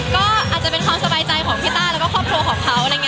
ก็อาจจะเป็นความสบายใจของพี่ต้าแล้วก็ครอบครัวของเขาอะไรอย่างนี้